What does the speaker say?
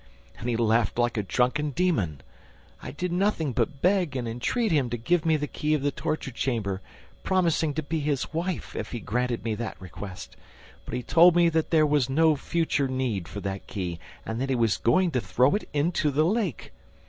And he laughed like a drunken demon. I did nothing but beg and entreat him to give me the key of the torture chamber, promising to be his wife if he granted me that request ... But he told me that there was no future need for that key and that he was going to throw it into the lake!